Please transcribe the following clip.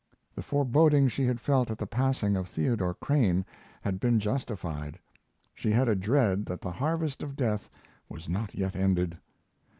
The foreboding she had felt at the passing of Theodore Crane had been justified. She had a dread that the harvest of death was not yet ended.